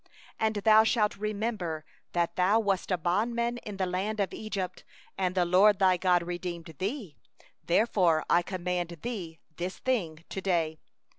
15And thou shalt remember that thou wast a bondman in the land of Egypt, and the LORD thy God redeemed thee; therefore I command thee this thing to day.